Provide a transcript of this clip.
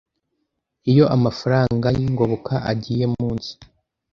Iyo amafaranga y ingoboka agiye munsi